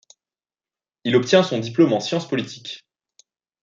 Il obtient son diplôme en science politique.